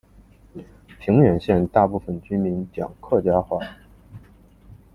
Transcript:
平远县大部分居民讲客家话。